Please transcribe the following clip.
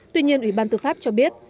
tuy nhiên ủy ban tư pháp cho biết